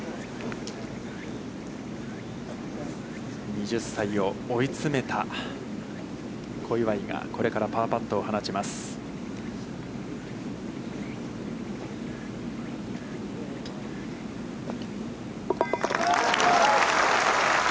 ２０歳を追い詰めた、小祝が、これからパーパットを放ちました。